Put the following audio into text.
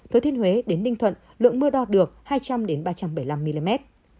thừa thiên huế đến ninh thuận lượng mưa đo được hai trăm linh ba trăm bảy mươi năm mm